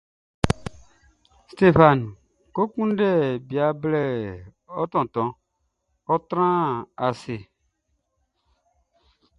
Stéphane, kɔ kunndɛ bia man ɔ tontonʼn; ɔ́ trán ase.